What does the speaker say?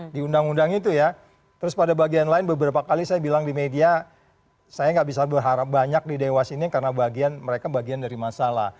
di undang undang itu ya terus pada bagian lain beberapa kali saya bilang di media saya nggak bisa berharap banyak di dewas ini karena bagian mereka bagian dari masalah